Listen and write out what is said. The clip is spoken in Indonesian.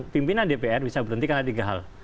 pimpinan dpr bisa berhentikan ada tiga hal